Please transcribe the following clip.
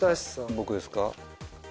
僕ですか？